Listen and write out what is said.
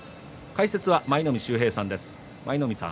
解説は舞の海秀平さんです。